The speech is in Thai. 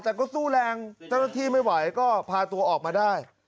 แต่ก็สู้แรงเจ้าหน้าที่ไม่ไหวก็พาตัวออกมาได้